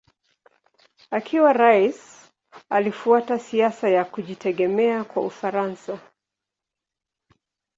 Akiwa rais alifuata siasa ya kujitegemea kwa Ufaransa.